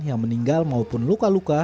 yang meninggal maupun luka luka